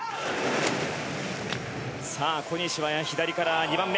さあ、小西は左から２番目。